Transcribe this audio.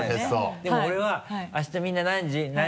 でも俺は「あしたみんな何時？」